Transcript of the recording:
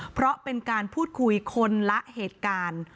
เพราะเป็นการพูดคุยคนละเหตุการณ์